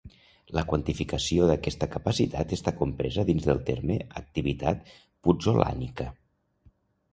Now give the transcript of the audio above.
La quantificació d'aquesta capacitat està compresa dins del terme activitat putzolànica.